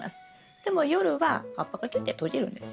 でも夜は葉っぱがキュッて閉じるんです。